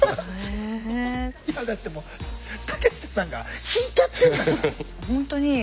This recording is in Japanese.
だってもう竹下さんが引いちゃってんだから。